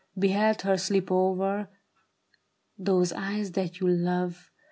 Beheld her slip over — those eyes that you love.